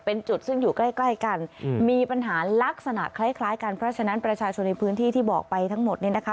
เป็นจุดซึ่งอยู่ใกล้ใกล้กันมีปัญหาลักษณะคล้ายกันเพราะฉะนั้นประชาชนในพื้นที่ที่บอกไปทั้งหมดเนี่ยนะคะ